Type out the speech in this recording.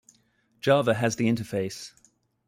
Java has the interface.